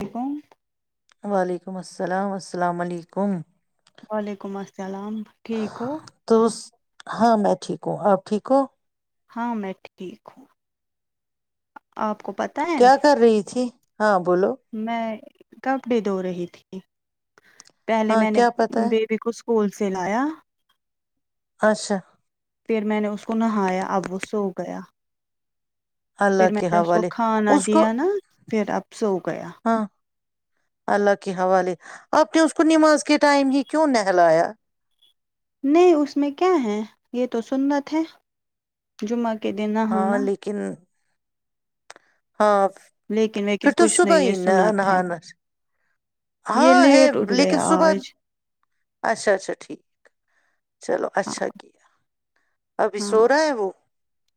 اک [unintelligible] و علیکم السلام السلام علیکم سلام ٹھیک ہو تو اس- ہاں میں ٹھیک ہوں آپ ٹھیک ہو ہاں میں ٹھیک ہوں آپ کو پتہ ہے کیا کر رہی تھی ہاں بولو میں کپڑے دھو رہی تھی پہلے ہاں میں نے کیا پتا ہے بیبی کو ہول سل آیا اچھا پھر میں نے اس کو نہایا اب وہ سو گیا اللہ پھر میں کے نے اس کو حوالے کھانا اس کو دیا نا پھر ابسو گیا ہاں اللہ کے حوالے آپ نے اس کو نماز کے ٹائم ہی کیوں نہلایا نہیں اس میں کیا ہے یہ تو سنت ہے جمعہ کی کے دین ناہا ہاں نا لیکن ہاں لیکن پھر ویکن تو کچھ نہیں صبح ہی یہ ن نہ سنت ہے نا یہ ہاں ہے لیٹ اٹھ لیکن گیا صبح آج اچھا اچھا ٹھیک چلو ہاں اچھا کیا ابھی ہاں سو رہا ہے وہ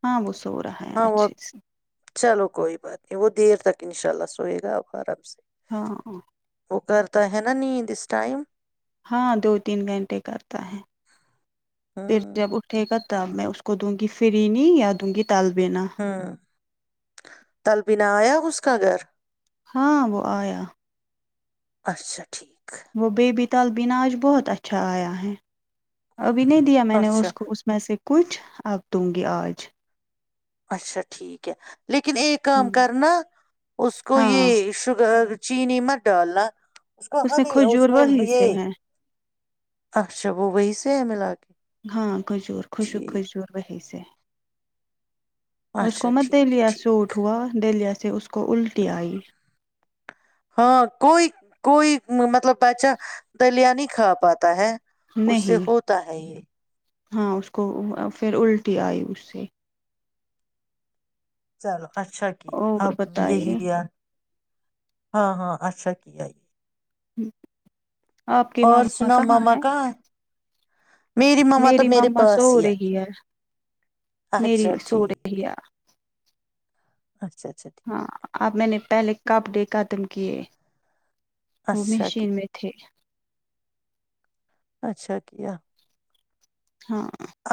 ہاں وہ سو رہا ہے ہاں وہ اچھے سے چلو کوئی بات نہیں وہ دیر تک انشاء اللہ سوئے گا آپ آرام سے ہاں وہ کرتا ہے نیند اس ٹائم ہاں دو تین گھنٹے کرتا ہے پھر ہوں جب اٹھے گا تب میں کو دوں گی پھرنی یا دوں گی تالبینہ ہاں تلبینا ایا اس کو کا گھر ہاں وہ آیا اچھا ٹھیک ہے وہ بےبی تلبینا آج بہت اچھا آیا ہے ابھی نہیں دیا میں نے اس اچھا کو اس میں سے کچھ آبتوں گی آج اچھا ٹھیک ہے لیکن ایک کام کرنا اس کو ہاں یہ شوگر چینی مت ڈالنا اس کا ہ میں نہیں اس کھجور میں وہی سے یہ ہے اچھا وہ وہی سے ہے ملا کے ہاں کھجور خوشک ٹھیک کھجور وہی سے اس اچھا کو میں ٹھیک دلیا ٹھیک سوٹ ہوا دلیا سے سے اس کو الٹی آئی ہاں کوئی کوئی مطلب بادچہ دلیا نہیں کھا پاتا ہے اس سے نہیں ہوتا ہے یہ ہاں اس کو پھر الٹی آئی اس سے چلو اچھا کیا اور اب یہی بتائیے دیا ہاں ہاں اچھا کیا ہوں اور سنا ماما کا میری ماما سو رہی ہے میری اچھا سو رہی ٹھیک ہے اچھا اچھا ٹھیک ہاں آپ میں نے پہلے کپ ڈے ختم کیے وہ اچھا مشین کیا میں تھے اچھا کیا ہاں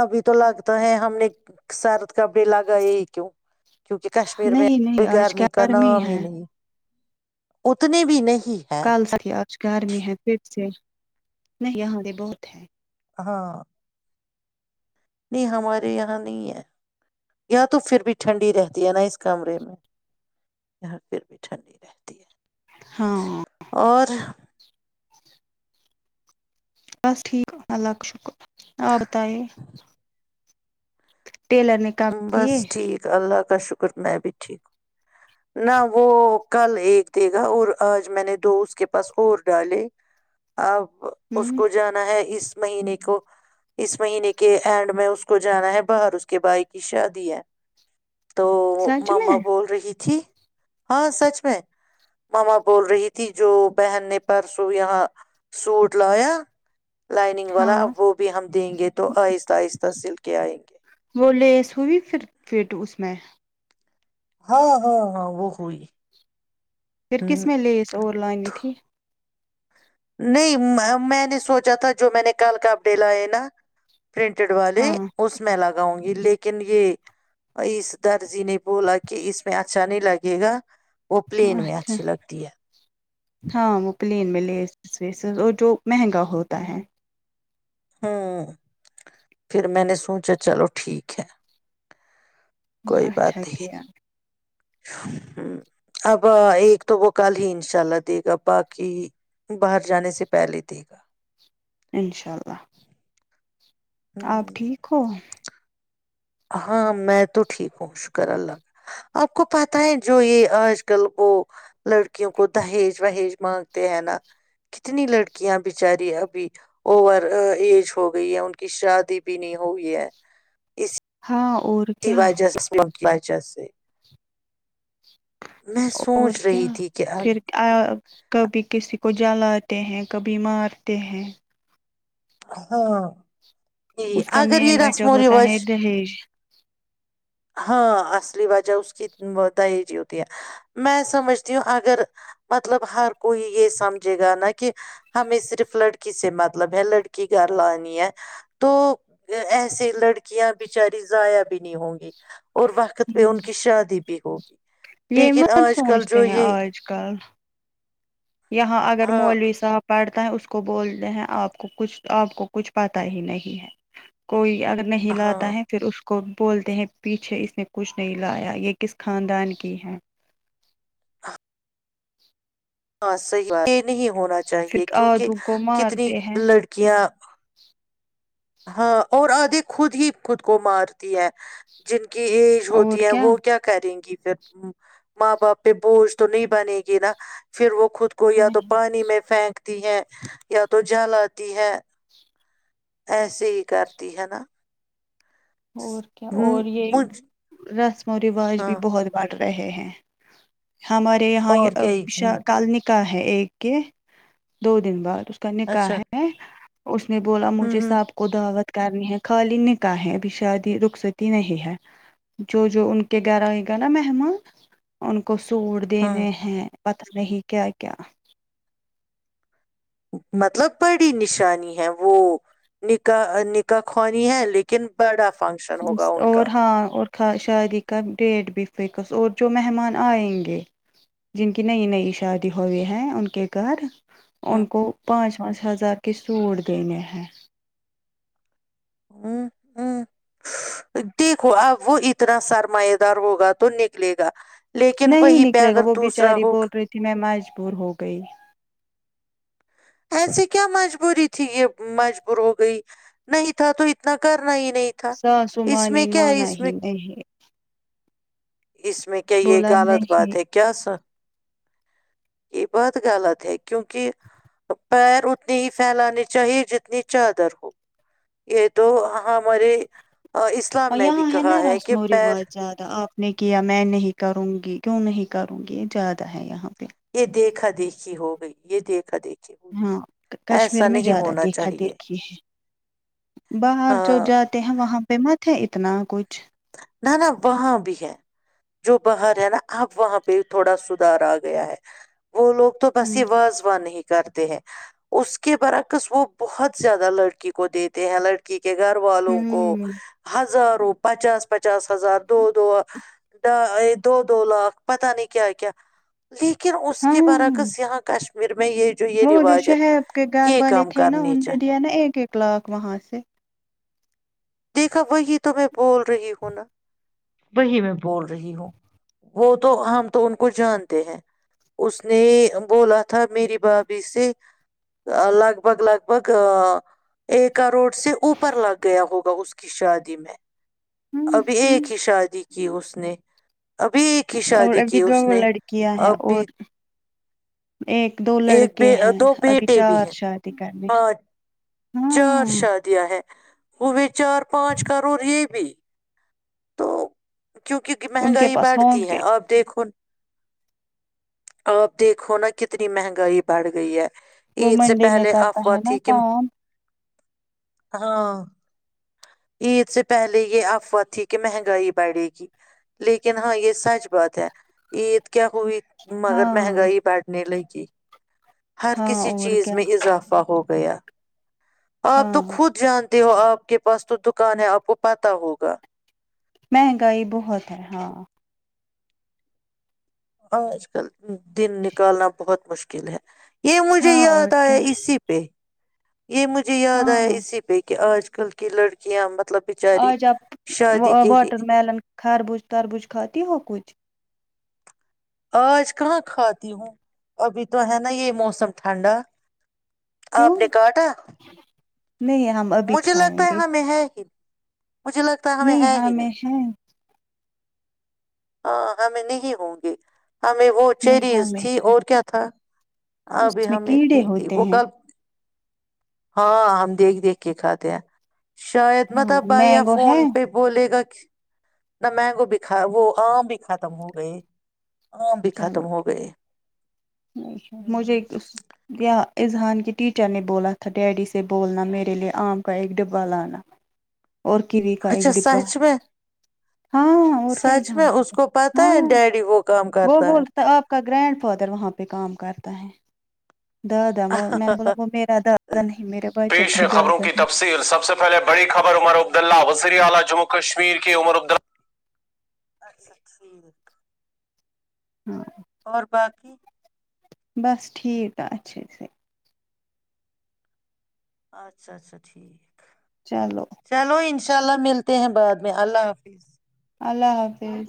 ابھی تو لگتا ہے ہم نے سارد کپڑے لگائے ہی کیوں کیونکہ کشمیر میں نہیں نہیں کوئی آج گرمی کا نام ہی ہے نہیں اتنے بھی نہیں ہے کل سھی آج گرمی ہے پھر سے نہیں یہاں یہ بہت ہے ہاں نہیں ہمارے یہاں نہیں ہے یا تو پھر بھی ٹھنڈی رہتی ہے نا اس کمرے میں پھر بھی ٹھنڈی رہتی ہے ہاں اور بس ٹھیک اللہ کا شکر آپ بتائے ٹیلر نے کام دیے بس ٹھیک اللہ کا شکر میں بھی ٹھیک ہوں نہ وہ کل ایک دے گا اور آج میں نے دو اس کے پاس اور ڈالے ا اس ہوں کو جانا ہے اس مہینے کو اس مہینے کے اینڈ میں اس کو جانا ہے باہر اس کے بھائی کی شادی ہے تو سچ ماما میں بول رہی تھی ت ہاں سچ میں ماما بول رہی تھی جو بہن نے پرسوں یہاں سوٹ لایا لائنگ والا ا ہاں وہ بھی ہم دیں گے تو آہستہ آہستہ سلک کیا آئیں گے وہ لیس ہوئی پھر پٹ اس میں ہاں ہاں ہاں وہ ہوئی پھر ہ کس میں لیس اور لانی تھی نہیں میں نے سوچا تھا جو میں نے کل کاپ ڈے لائےائے نا پرنٹڈ والے ہاں اس میں الگ گاؤں گی لیکن یہ اس در جی نے بولا کہ اس میں اچھا نہیں لگے گا [inaudible] میں اچھا اچھی لگتی ہے ہاں مکلیین ملیے اور جو مہنگا ہوتا ہے [inaudible] ہ پھر میں نے سوچا چلو ٹھیک ہے [unintelligible] اچھا کہ [inaudible] ہ اب ایک تو وہ کل ہی انشاء اللہ دے گا باقی باہر جانے سے پہلے دے گا انشاء اللہ آپ ٹھیک ہو ہاں میں تو ٹھیک ہوں شکر اللہ کا آپ کو پتا ہے جو یہ آج کل وہ لڑکیوں کو دہیج وہیج مانگتے ہیں نا کتنی لڑکیاں بچاری ابھی اوور ایج ہو گئی ہے ان کی شادی بھی نہیں ہوئی ہے اس [inaudible] ہاں اور [inaudible] کیا وجہ سے [inaudible] میں اور سوچ کیا رہی تھی کہ پھر اگر- کبھی کسی کو جلاتے ہیں کبھی مارتے ہیں [inaudible] ہاں یہی اس کا اگر مین یہ وجہ رسم و ہوتا ہے رواج دہیج [unintelligible] ہاں اصلی وجہ اس کی دہیج ہی ہوتی ہے میں سمجھتی ہوں اگر مطلب ہر کوئی یہ سمجھے گا نا کہ ہمیں صرف لڑکی سے مطلب ہے لڑکی کی گھر لانی ہے تو ایسیے لڑکیاں بچاری ضائیا بھی نہیں ہوں گی [inaudible] اور وقت پہ ان کی شادی بھی ہوگی یہ لیکن مت آج کل سوچتے جو ہیں یہ آج کل یہاں اگر ہاں مولوی صاحب پڑ [inaudible] اس کو بولتے ہیں آپ کو کچھ آپ کو کچھ پتا ہی نہیں ہے کوئی اگر نہیں لاتا ہاں ہے پھر اس کو [inaudible] کو بولتے ہیں پیچھے اس نے کچھ نہیں لایا یہ کس خاندان کی ہے [unintelligible] ہاں صحیح بات نہیں ہونا پھر چاہیے کیونکہ آدھو کو کتنی مارتے ہیں لڑکیاں ہاں اور آدھے خود ہی خود کو مارتی ہیں جن کی ایج ہوتی ہے وہ کیا کریں گی پھر ماں باپ پہ بوجھ تو نہیں بنے گی نا پھر وہ خود کو تو نہیں پانی میں پھینک ہے یا تو جالا تی ہے ایسے ہی کرتی ہے نا اور کیا ہوں اور یہ مجھ رس اور رواج بھی ہاں بہت بڑھ رہے ہیں ہمارے یہاں اور کیا ہی ہم، شاہ کلنک کا ہے ایک کے دو دن بعد اس کا نکح اچھا ہے اس نے بولا ہوں مجھے ہوں سب کو دعوت کارنی ہے خالیی نکح ہے ابھی شادی رخصتی نہیں ہے جو جو ان کے گھرائے گا نا مہمان ان کو سوڑ ہوں دینے ہیں پتا نہیں کیا کیا مطلب بڑی نشانی ہے وہ نکاح نکاح خوانی ہے لیکن بڑا فنکشن ہوگا ان اور کا ہاں اور شادی کا ڈیٹ بھی فکس اور جو مہمان آئیں گے جن کی نئی نئی شادی ہوئی ہے ان کے گھر ہ ان کو پانچ پانچ ہزار کے سوٹ دینے ہیں ہ ہ دیکھو اب وہ اتنا سرما دار ہوگا تو نکلے گا لیکن نہیں وہیں پہ نکلے گا اگر وہ دوسرا بیچاری ہو بول رہی تھی میں مجبور ہو گئی ایسے کیا مجبوری تھی یہ مجبور ہو گئی نہیں تھا تو اتنا کر نا ہی نہیں تھا ساسو اس مانی میں کیا ہے مانا اس ہی میں نہیں اس میں کیا یہ بولا غالط نہیں بات ہے کیا سا یہ بات غلط ہے کیونک پیر اتنی ہی پھیلانی چاہیے جتنی چادر ہو یہ تو ہمارے آ، اسلام اور میں بھی یہاں ہے نا کہا کہ رسمو پیر رواج زیادہ آپ نے کیا میں نہیں کروں گی کیوں نہیں کروں گی یہ زیادہ ہے یہاں پہ یہ دیکھا دیکھی ہو گئی یہ دیکھا دیکھا ہاں کشمیر میں زیادہ دیکھا چاہیے دیکھیھی ہے باہر جو ہاں جاتے ہیں وہاں پہ مت ہے اتنا کچھ نہ نہ وہاں بھی ہے جو باہر ہے نا اب وہاں پہ تھوڑا سدھار آ گیا ہے وہ لوگ تو بس ہوں یہ واازوان نہیں کرتے ہیں اس کے برعکس وہ بہت زیادہ لڑکی کو دیتے ہیں لڑکی کے گھر والوں کو ہوں ہزاروں روپاچا پچاس ہزار دو دو د دو دو لاکھ پتہ نہیں کیا کیا لیکن اس ہاں کے برعکس یہاں کشم وہ جو شہب کے گھر یہ والے کام تھے نا کرنی ان نے چاہیے دیا نا ایک ایک اخلاق وہاں سے دیکھا وہی تو میں بول رہی ہوں نا وہی میں بول رہی ہوں وہ تو ہم تو ان کو جانتے ہیں اس نے بولا تھا میری بھابھی سے لگ بھگ لگ بھگ ایک کروڑ سے اوپر لگ گیا ہوگا اس کی شادی میں ہوں ابھی ہوں ایک ہی شادی کہ اس نے ابھی ایک ہی اور شادی ابھی کی دو اس نے لڑکیاں ہیں اور ابھی ایک دو ایک لڑکے بے ہیں دو ابھی بیٹے بھی چار ہیں شادی کرنے ہاں چار شادیاں ہیں وہ بھی چار پانچ کرو اور یہ بھی تو کیونکہ ان کے مہنگائی پاس ہوں بڑھتی گے ہے اور دیکھو آپ دیکھو نا کتنی مہنگائی بڑھ گئی ہے وہ عید سے منڈے میں پہلے کرتا افواہ ہے نا تھی کہ کام ہاں عید سے پہلے یہ افواہ تھی کہ مہنگائی بڑھے گی لیکن ہاں یہ سچ بات ہے عید کیا وہئی مگر ہاں مہنگائی بڑھنے لگی جی ہر ہاں کسی اور چیز کیا میں اضافہ ہو پیہ آپ تو ہاں خود جان تے ہو آپ کے پاس تو دکان ہے آپ کو پتا ہوگا مہنگائی بہت ہے ہاں آج کل دن نکالنا بہت مشکل ہے یہ مجھے ہاں یاد اور کیا آیا اسی پہ یہ مجھے یاد ہاں آیا ہاں اسی پہ کہ آج اج کل کی لڑکیاں بت اج اپ لیے واٹر میلن خربوز تربوز خھاتی ہو کچھ آج کہاں کھاتی ہوں ابھی تو ہے نا یہ موسم ٹھنڈا کیوں اپ نے کاٹا نہیں ہم ابھی مجھے لگتا کھائیں ہے گے ہمیں ہے ہی مجھے لگتا ہے نہیں ہے ہی ہمیں ہے ہاں ہمیں نہیں ہوں گے ہمیں وہ نہیں چیریز ہمیں تھی اور کیا تھا اس ابھی میں ہم کیڑے اتنی تھی ہوتے وہ ہیں کل ہاں ہم دیکھ دیکھ کے کھاتے ہیں شاید متا ہاں بھیا مینگو فون ہے پہ بولے گا نہ مینگو بھی کھا وہ عام بھی ختم ہو گئے آم بھی چلو ختم ہو گئے مجھے ہوں ایک دوس کیا اذہان کی ٹیچر نے بولا تھا ڈیڈی سے بولنا میرے لیے آم کا ایک ڈبہ لانا اور کیوی کا اچھا ایک ڈبہ سچ میں ہاں اور کیا سچ اذہان میں کی، اس کو پتا ہے ہاں ڈیڈی وہ کام وہ کرتا ہے بولتا آپ کا گرینڈ فادر وہاں پہ کام کرتا ہے [inaudible] وہ میں نے بولا وہ میرا دادا نہیں میرے بچے کا دادا ہے [unintelligible] [unintelligible] ہاں اور باقی بس ٹھیک ہے اچھے سے اچھا اچھا ٹھیک چلو چلو انشاء اللہ ملتے ہیں بعد میں اللہ حافظ اللہ حافظ